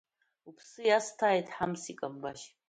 Уԥсы иасҭааит Ҳамс икамбашь!